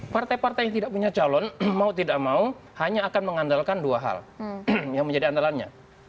partai partai yang tidak punya calon mau tidak mau hanya akan mengandalkan dua hal yang menjadi andalannya